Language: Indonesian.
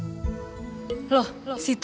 nanda nanda nanda nanda